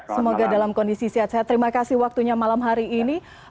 semoga dalam kondisi sehat sehat terima kasih waktunya malam hari ini